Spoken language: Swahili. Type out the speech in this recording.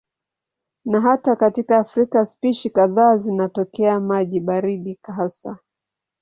Na hata katika Afrika spishi kadhaa zinatokea maji baridi hasa.